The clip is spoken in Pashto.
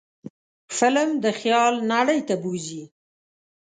فلم د خیال نړۍ ته بوځي